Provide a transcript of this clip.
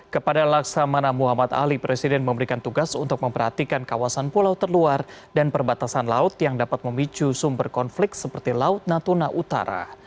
kepada laksamana muhammad ali presiden memberikan tugas untuk memperhatikan kawasan pulau terluar dan perbatasan laut yang dapat memicu sumber konflik seperti laut natuna utara